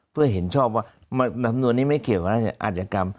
เพื่อเห็นชอบว่าลำนวนนี้ไม่เกี่ยวกับอาจกรรม